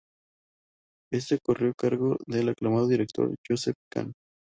Éste corrió a cargo del aclamado director Joseph Kahn.